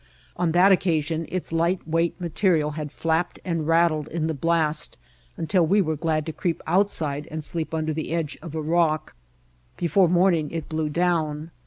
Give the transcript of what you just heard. On that occasion its light weight ma terial had flapped and rattled in the blast until we were glad to creep outside and sleep under the edge of a rock. Before morning it blew down.